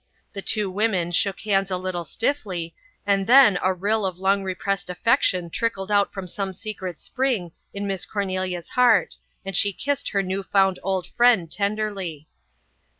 The two women shook hands a little stiffly and then a rill of long repressed affection trickled out from some secret spring in Miss Cornelia's heart and she kissed her new found old friend tenderly.